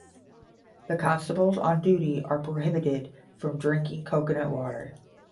The constables on duty are prohibited from drinking coconut water.